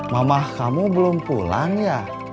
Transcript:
mamah kamu belum pulang ya